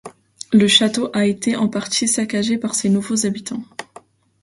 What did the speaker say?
Le château a été en partie saccagé par ses nouveaux habitants.